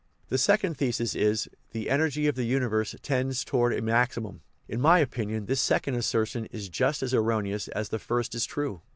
The second thesis is: " The energy of the universe tends towards a maximum." In my opin ion this second assertion is just as erroneous as the first is true.